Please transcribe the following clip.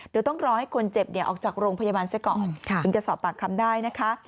เดี๋ยวต้องรอให้คนเจ็บออกจากโรงพยาบาลซะก่อนถึงจะสอบปากคำได้นะคะ